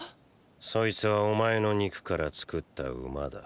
⁉そいつはお前の肉から作った馬だ。